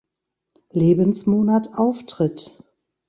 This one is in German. Lebensmonat auftritt.